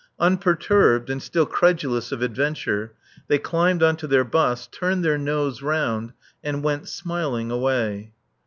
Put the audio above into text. Unperturbed, and still credulous of adventure, they climbed on to their bus, turned her nose round, and went, smiling, away.